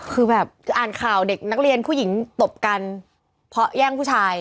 คือแบบอ่านข่าวเด็กนักเรียนผู้หญิงตบกันเพราะแย่งผู้ชาย